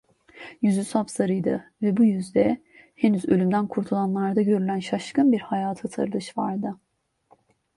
Yüzü sapsarıydı ve bu yüzde, henüz ölümden kurtulanlarda görülen şaşkın bir hayata sarılış vardı…